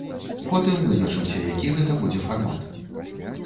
Потым вызначымся, які гэта будзе фармат.